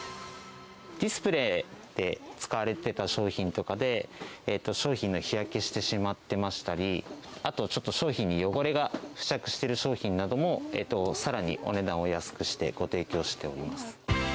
ディスプレーで使われてた商品とかで、商品が日焼けしてしまってましたり、あとちょっと、商品に汚れが付着してる商品なども、さらにお値段お安くしてご提供しております。